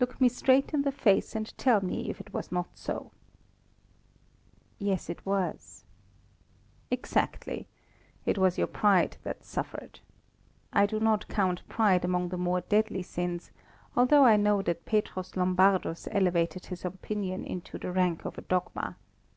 Look me straight in the face, and tell me if it was not so." "Yes, it was." "Exactly; it was your pride that suffered. I do not count pride among the more deadly sins, although I know that Petrus Lombardus elevated this opinion into the rank of a dogma.